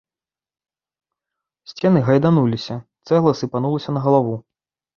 Сцены гайдануліся, цэгла сыпанулася на галаву.